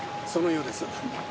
そのようです。